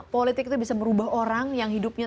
politik itu bisa merubah orang yang hidupnya